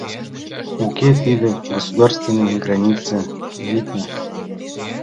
— Уке, тиде государственный граница, витне!»